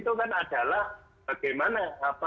itu kan adalah bagaimana